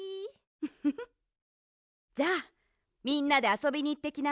フフフじゃあみんなであそびにいってきなさい。